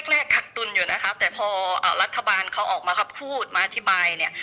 แรกกักตุนอยู่นะครับแต่พอรัฐบาลเขาออกมาพูดมาอธิบายเนี่ย